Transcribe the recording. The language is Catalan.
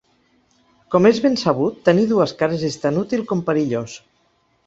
Com és ben sabut, tenir dues cares és tan útil com perillós.